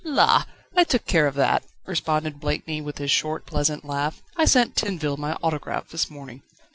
"La! I took care of that!" responded Blakeney with his short, pleasant laugh. "I sent Tinville my autograph this morning."